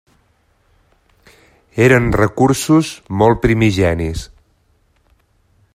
Eren recursos molt primigenis.